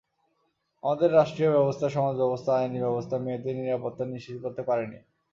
আমাদের রাষ্ট্রীয় ব্যবস্থা, সমাজব্যবস্থা, আইনি ব্যবস্থা মেয়েদের নিরাপত্তা নিশ্চিত করতে পারেনি।